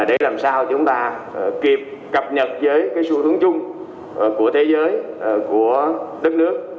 để làm sao chúng ta kịp cập nhật với cái xu hướng chung của thế giới của đất nước